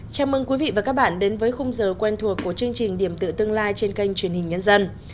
chào mừng quý vị và các bạn đến với khung giờ quen thuộc của chương trình điểm tự tương lai trên kênh truyền hình nhân dân